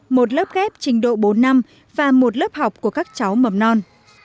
một lớp ghép trình độ bốn năm và một lớp học của các cháu mầm non